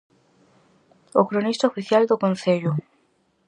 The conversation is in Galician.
O cronista oficial do concello.